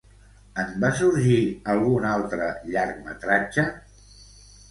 En va sorgir algun altre llargmetratge?